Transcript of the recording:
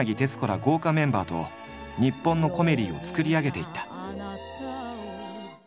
豪華メンバーと日本のコメディを作り上げていった。